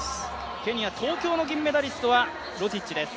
ケニア、東京の金メダリストはロティッチです。